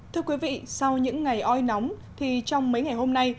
thưa quý vị sau những ngày oi nóng thì trong mấy ngày hôm nay